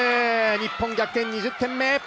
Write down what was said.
日本逆転、２０点目。